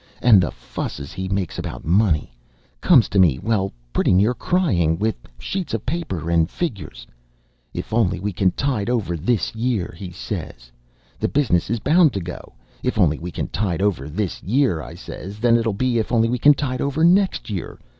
And the fusses he makes about money comes to me, well, pretty near crying, with sheets of paper and figgers. 'If only we can tide over this year,' he says, 'the business is bound to go.' 'If only we can tide over this year,' I says; 'then it'll be, if only we can tide over next year.